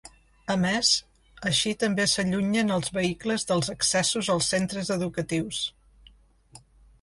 A més, així també s’allunyen els vehicles dels accessos als centres educatius.